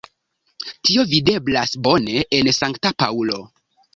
Tio videblas bone en Sankta Paŭlo.